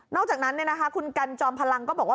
อกจากนั้นคุณกันจอมพลังก็บอกว่า